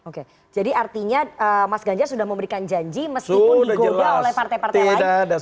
oke jadi artinya mas ganjar sudah memberikan janji meskipun digoda oleh partai partai lain